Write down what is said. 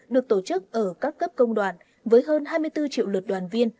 được tổ chức ở các cấp công đoàn với hơn hai mươi bốn triệu lượt đoàn viên